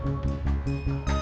gak usah banyak ngomong